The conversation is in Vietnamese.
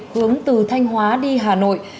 hướng từ thanh hóa đi hà nội